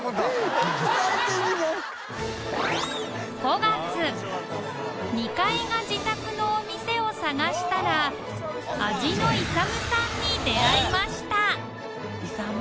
５月２階が自宅のお店を探したら「味のイサム」さんに出あいました「イサム」？